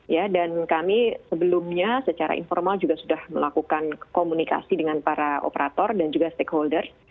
ya dan kami sebelumnya secara informal juga sudah melakukan komunikasi dengan para operator dan juga stakeholders